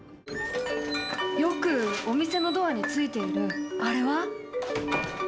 よくお店のドアについているあれは？